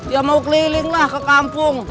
ya mau keliling lah ke kampung